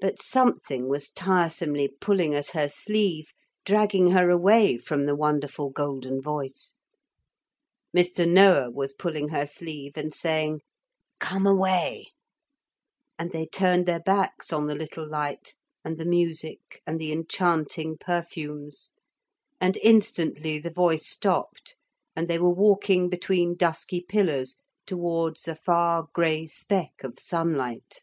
But something was tiresomely pulling at her sleeve, dragging her away from the wonderful golden voice. Mr. Noah was pulling her sleeve and saying, 'Come away,' and they turned their backs on the little light and the music and the enchanting perfumes, and instantly the voice stopped and they were walking between dusky pillars towards a far grey speck of sunlight.